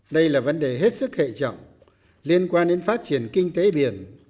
đây là vấn đề hết sức hệ trọng liên quan đến phát triển kinh tế biển